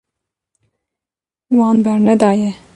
Wan bernedaye.